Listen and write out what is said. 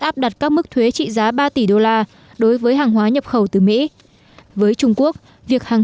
áp đặt các mức thuế trị giá ba tỷ đô la đối với hàng hóa nhập khẩu từ mỹ với trung quốc việc hàng